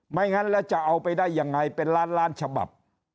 งั้นแล้วจะเอาไปได้ยังไงเป็นล้านล้านฉบับ